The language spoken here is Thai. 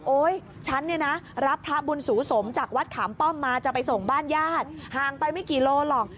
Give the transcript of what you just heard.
ฉันเนี่ยนะรับพระบุญสูสมจากวัดขามป้อมมาจะไปส่งบ้านญาติห่างไปไม่กี่โลหรอก